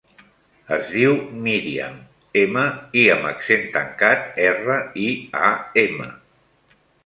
Es diu Míriam: ema, i amb accent tancat, erra, i, a, ema.